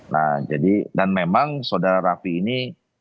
nah jadi dan memang saudara rafi ini